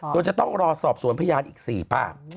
โดยจะต้องรอสอบสวนพยานอีก๔ภาพ